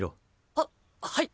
はっはい。